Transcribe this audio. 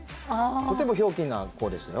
とてもひょうきんな子でしたよ